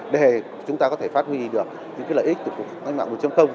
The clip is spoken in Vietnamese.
để chúng ta có thể phát huy được những lợi ích của ngành mạng một